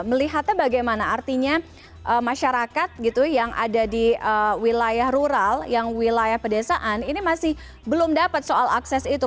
melihatnya bagaimana artinya masyarakat gitu yang ada di wilayah rural yang wilayah pedesaan ini masih belum dapat soal akses itu